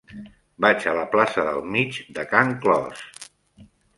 Vaig a la plaça del Mig de Can Clos.